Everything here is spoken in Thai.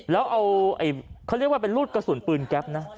แล้วเอาเขาเรียกว่าเป็นรูดกระสุนปืนแก๊ปนะ